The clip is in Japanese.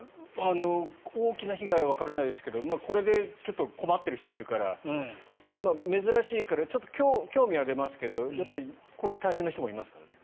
大きな被害はわからないですけどこれでちょっと困ってる人もいるから珍しいから興味は出ますけどこれで大変な人もいますからね。